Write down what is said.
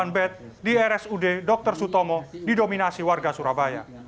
satu ratus delapan puluh delapan bed di rsud dr sutomo didominasi warga surabaya